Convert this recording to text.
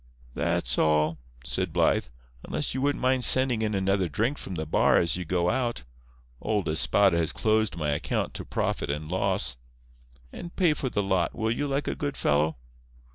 "That's all," said Blythe. "Unless you wouldn't mind sending in another drink from the bar as you go out. Old Espada has closed my account to profit and loss. And pay for the lot, will you, like a good fellow?"